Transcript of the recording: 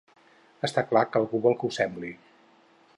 Està clar que algú vol que ho sembli.